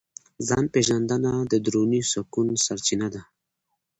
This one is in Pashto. ځان پېژندنه د دروني سکون سرچینه ده.